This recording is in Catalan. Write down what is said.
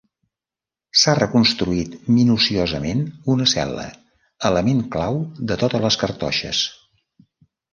S'ha reconstruït minuciosament una cel·la, element clau de totes les cartoixes.